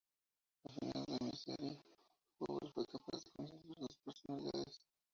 Al final de la miniserie, Powell fue capaz de conciliar las dos personalidades.